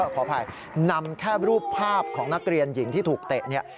ขออภัยนำแค่รูปภาพของนักเรียนหญิงที่ถูกเตะเนี่ย